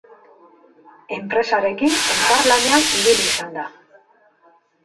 Enpresarekin elkarlanean ibili izan da.